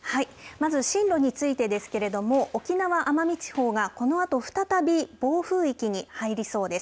まず進路についてですけれども沖縄・奄美地方がこのあと再び暴風域に入りそうです。